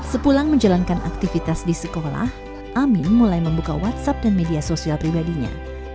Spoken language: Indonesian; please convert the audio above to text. sepulang menjalankan aktivitas di sekolah amin mulai membuka whatsapp dan media sosial pribadinya